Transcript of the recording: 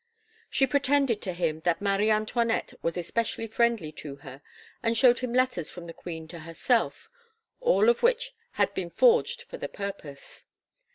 She pretended to him that Marie Antoinette was especially friendly to her, and shewed him letters from the queen to herself all of which had been forged for the purpose.